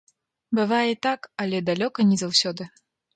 Бывае і так, але далёка не заўсёды.